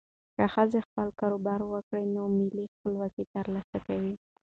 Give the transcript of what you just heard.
که ښځه خپل کاروبار وکړي، نو مالي خپلواکي ترلاسه کوي.